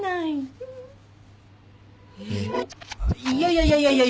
いやいやいやいや。